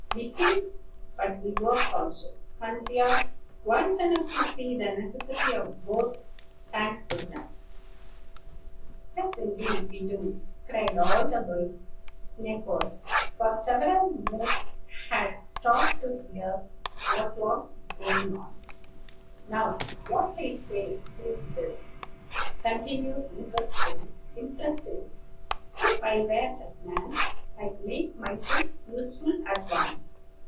We sing, but we work also; and are wise enough to see the necessity of both, thank goodness!" "Yes, indeed, we do," cried all the birds in a chorus; for several more had stopped to hear what was going on. "Now, what I say is this," continued Mrs. Wing impressively. "If I were that man, I'd make myself useful at once.